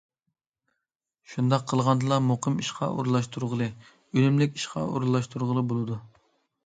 شۇنداق قىلغاندىلا مۇقىم ئىشقا ئورۇنلاشتۇرغىلى، ئۈنۈملۈك ئىشقا ئورۇنلاشتۇرغىلى بولىدۇ.